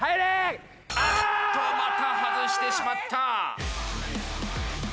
あっとまた外してしまった！